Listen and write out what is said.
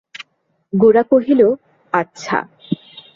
গোরা কহিল, আচ্ছা।